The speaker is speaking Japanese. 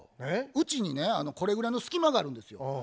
うちにねこれぐらいの隙間があるんですよ。